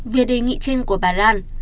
việc đề nghị trên của bà lan